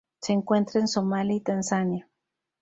Se encuentra en Somalia y Tanzania.